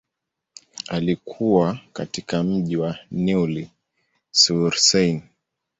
Alikua katika mji wa Neuilly-sur-Seine.